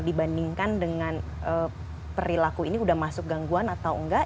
dibandingkan dengan perilaku ini sudah masuk gangguan atau enggak